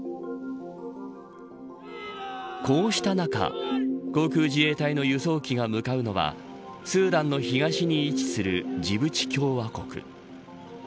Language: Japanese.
こうした中航空自衛隊の輸送機が向かうのはスーダンの東に位置するジブチ共和国。